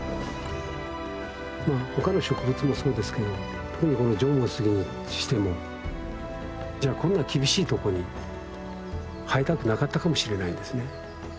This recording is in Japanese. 他の植物もそうですけど特にこの縄文杉にしてもじゃあこんな厳しいとこに生えたくなかったかもしれないんですね。